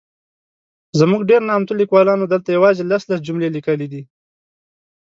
زموږ ډېر نامتو لیکوالانو دلته یوازي لس ،لس جملې لیکلي دي.